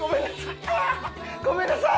ごめんなさい！